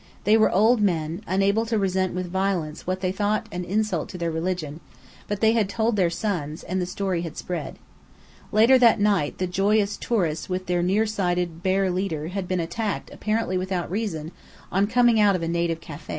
They were old men, unable to resent with violence what they thought an insult to their religion; but they had told their sons, and the story had spread. Later that night the joyous tourists with their near sighted "bear leader," had been attacked apparently without reason, on coming out of a native café.